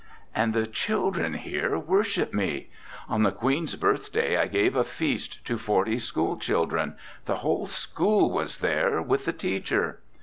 "And the children here worship me. On the Queen's birthday I gave a feast to forty school children the whole school was there, with the teacher!